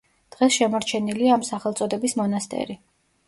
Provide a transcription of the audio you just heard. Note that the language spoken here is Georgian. დღეს შემორჩენილია ამ სახელწოდების მონასტერი.